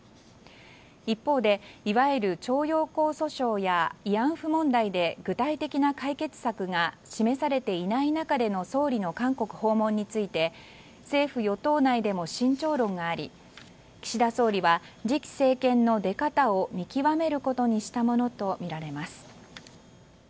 一方でいわゆる徴用工訴訟や慰安婦問題で、具体的な解決策が示されていない中での総理の韓国訪問について政府・与党内でも慎重論があり岸田総理は次期政権の出方を見極めることにしたものとみられます。